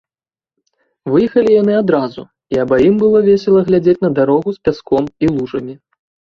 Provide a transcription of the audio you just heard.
Выехалі яны адразу, і абаім было весела глядзець на дарогу з пяском і лужамі.